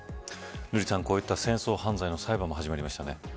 瑠麗さん、こういった戦争犯罪の裁判始まりましたね。